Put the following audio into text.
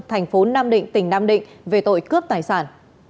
tp nam định tỉnh nam định về tội cướp tài sản